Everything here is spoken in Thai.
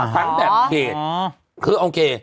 คำแบบเผจ